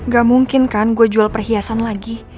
gak mungkin kan gue jual perhiasan lagi